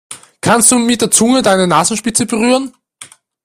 Kannst du mit der Zunge deine Nasenspitze berühren?